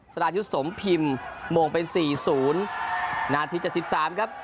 สดาชุดสมพิมพ์มงไป๔๐นาที๗๓ครับ